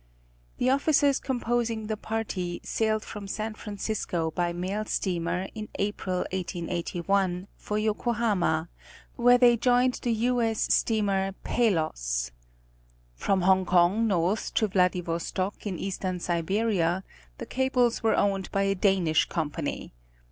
The officers composing the party sailed from San Francisco by mail steamer in April, 1881, for Yokohama, where they joined the U.S. Steamer Palos. From Hong Kong north to Vladivostok in Eastern Siberia the cables were owned by a Danish company.